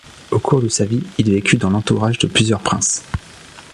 Au cours de sa vie, il vécut dans l'entourage de plusieurs princes.